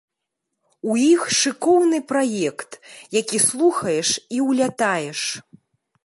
У іх шыкоўны праект, які слухаеш і ўлятаеш.